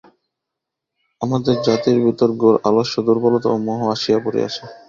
আমাদের জাতির ভিতর ঘোর আলস্য, দুর্বলতা ও মোহ আসিয়া পড়িয়াছে।